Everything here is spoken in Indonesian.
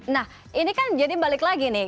nah ini kan jadi balik lagi nih